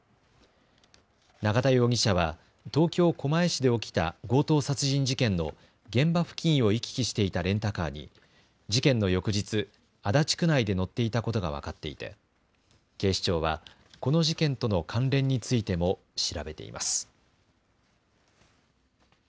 永田容疑者は東京狛江市で起きた強盗殺人事件の現場付近を行き来していたレンタカーに事件の翌日、足立区内で乗っていたことが分かっていて警視庁はこの事件との関連についても調べています。